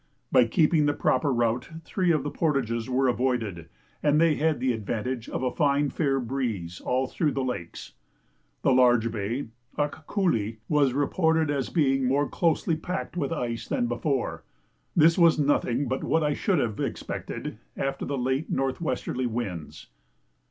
By keeping the proper route three of the portages were avoided, and they had the advantage of a fine fair breeze all through the lakes. The large bay (Akkoolee) was reported as being more closely packed with ice than before. This was nothing but what I should have expected after the late north westerly winds.